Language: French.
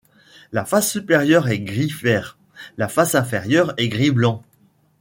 La face supérieure est gris vert, la face inférieure est gris blanc.